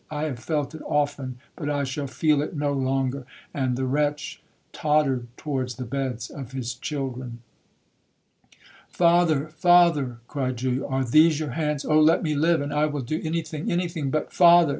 I have felt it often, but I shall feel it no longer!'—And the wretch tottered towards the beds of his children. 'Father!—father!' cried Julia, 'are these your hands? Oh let me live, and I will do any thing—any thing but'—'Father!